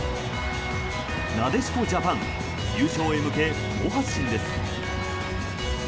なでしこジャパン優勝へ向け、好発進です。